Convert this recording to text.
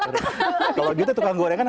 rasanya akan lebih besar dari yang dikeluarkan